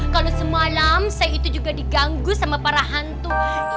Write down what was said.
kalau semalam saya itu juga diganggu sama para hantu